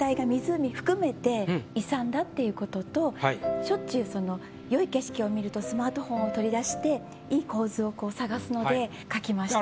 でっていうこととしょっちゅう良い景色を見るとスマートフォンを取り出して良い構図を探すので書きました。